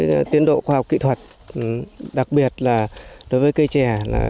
chuyển giao các tiến độ khoa học kỹ thuật đặc biệt là đối với cây trè